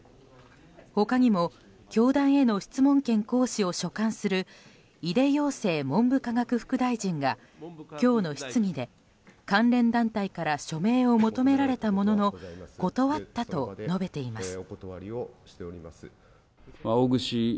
他にも教団への質問権行使を所管する井出庸生文部科学副大臣が今日の質疑で関連団体から署名を求められたものの断ったと述べています。